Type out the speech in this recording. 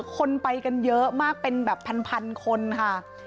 คนไปกันเยอะมากเป็นแบบพันคนค่ะ